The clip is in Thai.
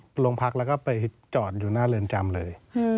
ไปโรงพักแล้วก็ไปจอดอยู่หน้าเรือนจำเลย